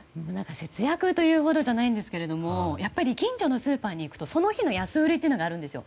節約というほどじゃないんですがやっぱり近所のスーパーに行くとその日の安売りというものがあるんですよ。